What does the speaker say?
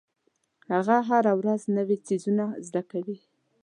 هغه هره ورځ نوې څیزونه زده کوي.